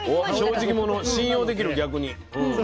正直者は信用できる逆に。